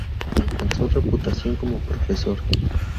Alcanzó reputación como profesor.